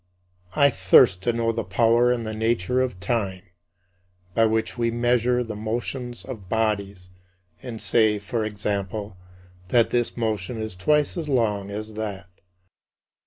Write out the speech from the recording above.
30. I thirst to know the power and the nature of time, by which we measure the motions of bodies, and say, for example, that this motion is twice as long as that.